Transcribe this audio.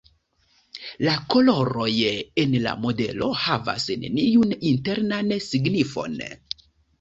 La koloroj en la modelo havas neniun internan signifon.